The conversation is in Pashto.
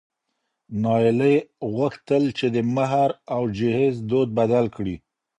نایله غوښتل چې د مهر او جهیز دود بدل کړي.